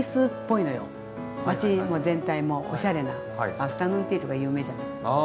アフタヌーンティーとか有名じゃない。